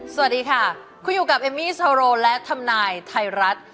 สวัสดีค่ะคุณอยู่กับเอมมี่โซโรและทำนายไทยรัฐ